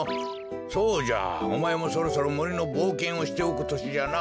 そうじゃおまえもそろそろもりのぼうけんをしておくとしじゃな。